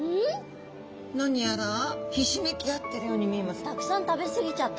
何やらひしめき合ってるように見えますよね。